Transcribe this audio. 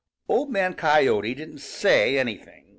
Old Man Coyote didn't say anything.